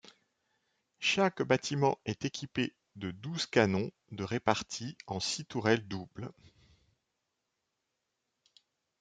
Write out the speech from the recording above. Chaque bâtiment est équipé de douze canons de répartis en six tourelles doubles.